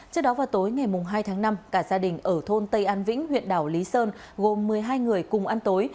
trước đó vào tối ngày hai tháng năm cả gia đình ở thôn tây an vĩnh huyện đảo lý sơn gồm một mươi hai người cùng ăn tối